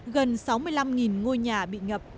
gần sáu mươi năm ngôi nhà bị ngập